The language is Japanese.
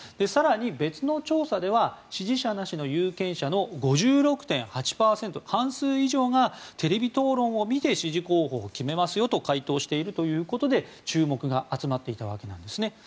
更に、別の調査では支持者なしの有権者の５６．８％半数以上がテレビ討論を見て支持候補を決めますよと回答しているということで注目が集まっていたわけです。